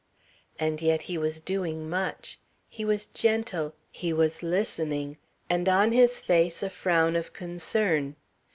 And yet he was doing much. He was gentle, he was listening, and on his face a frown of concern.